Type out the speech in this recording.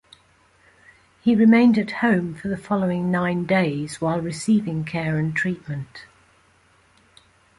He remained at home for the following nine days while receiving care and treatment.